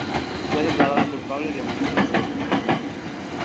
Fue declarada culpable de homicidio simple.